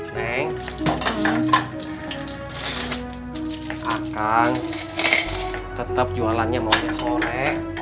neng kakang tetap jualannya mau besore